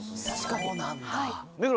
そうなんだ。